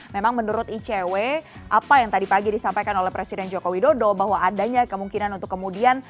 memang menurut icw apa yang tadi pagi disampaikan oleh presiden joko widodo bahwa adanya kemungkinan untuk kemudian